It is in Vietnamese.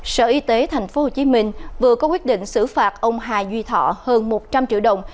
sở y tế tp hcm vừa có quyết định xử phạt ông hà duy thọ hơn một trăm linh triệu đồng